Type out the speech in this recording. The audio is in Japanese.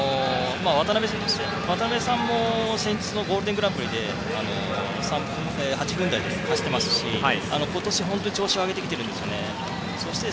渡邊さんも先日のゴールデングランプリで８分台で走っていますし今年、調子を上げています。